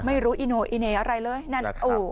ไม่รู้อีโน่อีเหน่อะไรเลยนั่น